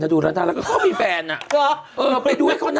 แต่ดูแล้วน่ารักก็มีแฟนอะ